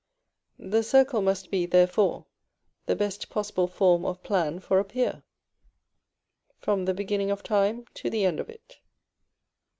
The circle must be, therefore, the best possible form of plan for a pier, from the beginning of time to the end of it.